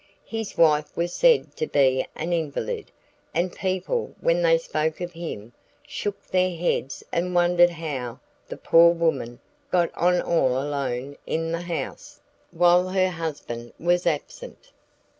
His wife was said to be an invalid, and people, when they spoke of him, shook their heads and wondered how the poor woman got on all alone in the house, while her husband was absent.